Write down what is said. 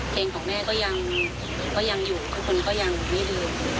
เพลงของแม่ก็ยังก็ยังอยู่ทุกคนก็ยังไม่ลืมแล้วก็วันนี้พวกเราเองจะได้มีโอกาสที่นำบทเพลงเก่า